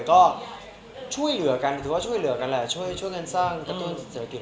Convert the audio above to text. ก็ช่วยเหลือกันช่วยเรากันแหล่งช่วยกันสร้างกระดูกศิษยากิจของประเทศแท็กส์